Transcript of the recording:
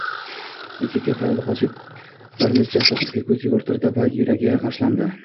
Yosiko xayoli qochib bir necha satrga ko`z yugurtirdi va yuragi g`ashlandi